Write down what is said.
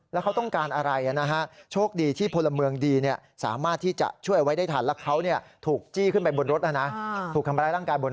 แล้วเขาต้องการอะไรนะฮะ